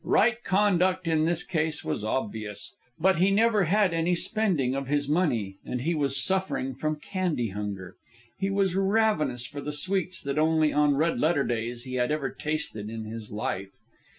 Right conduct in this case was obvious; but he never had any spending of his money, and he was suffering from candy hunger. He was ravenous for the sweets that only on red letter days he had ever tasted in his life.